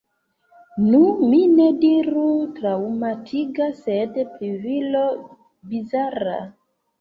Nu, mi ne diru traŭmatiga, sed plivole bizara.